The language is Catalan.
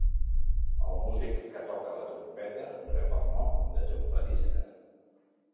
El músic que toca la trompeta rep el nom de trompetista.